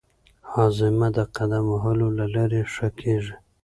هاضمه د قدم وهلو له لارې ښه کېږي.